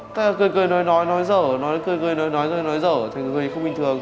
tại là cười cười nói nói dở nói cười cười nói dở nói dở thành người không bình thường